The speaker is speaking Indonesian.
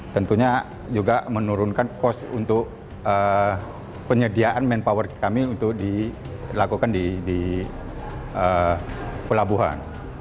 tentunya juga menurunkan cost untuk penyediaan manpower kami untuk dilakukan di pelabuhan